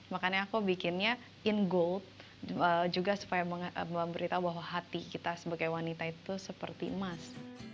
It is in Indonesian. makanya aku bikinnya in gold juga supaya memberitahu bahwa hati kita sebagai wanita itu seperti emas